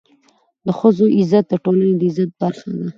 د ښځو عزت د ټولني د عزت برخه ده.